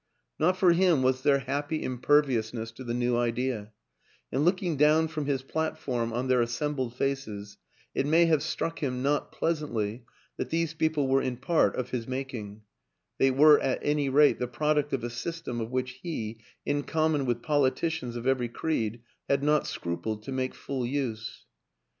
Not for him was their happy impervious ness to the new idea, and, looking down from his platform on their assembled faces, it may have struck him, not pleasantly, that these people were in part of his making; they were, at any rate, the product of a system of which he, in common with politicians of every creed, had not scrupled to make full use.